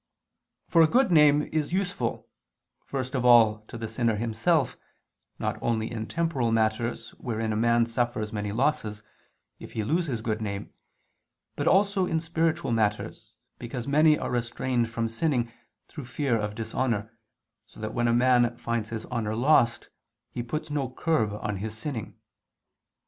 For a good name is useful, first of all to the sinner himself, not only in temporal matters wherein a man suffers many losses, if he lose his good name, but also in spiritual matters, because many are restrained from sinning, through fear of dishonor, so that when a man finds his honor lost, he puts no curb on his sinning.